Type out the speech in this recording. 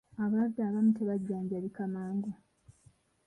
Abalwadde abamu tebajjanjabika mangu.